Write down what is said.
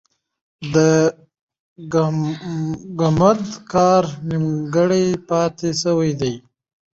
د ګمبد کار نیمګړی پاتې سوی دی.